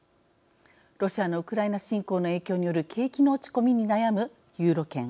ロシアのウクライナ侵攻の影響による景気の落ち込みに悩むユーロ圏。